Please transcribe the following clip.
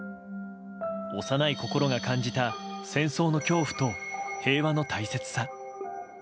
幼い心が感じた戦争の恐怖と、平和の大切さ。